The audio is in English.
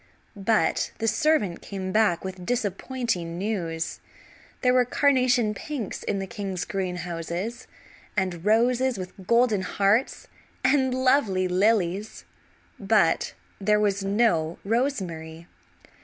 But the servant came back with disappointing news. There were carnation pinks in the king's greenhouses, and roses with golden hearts, and lovely lilies; but there was no rosemary.